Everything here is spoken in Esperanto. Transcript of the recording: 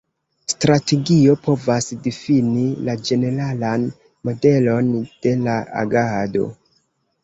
Strategio povas difini la ĝeneralan modelon de la agado.